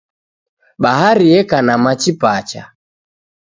Bahari eka na machi pacha.